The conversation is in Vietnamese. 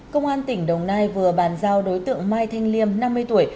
công an tỉnh đồng nai vừa bàn giao đối tượng mai thanh liêm năm mươi tuổi